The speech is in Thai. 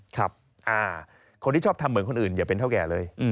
คนที่ชอบทำเหมือนคนอื่นอย่าเป็นเท่าแก่เลย